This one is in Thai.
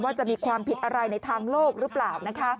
ว่าจะมีความผิดอะไรในทางโลกรึเปล่านะคะ